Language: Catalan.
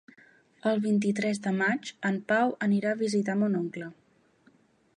El vint-i-tres de maig en Pau anirà a visitar mon oncle.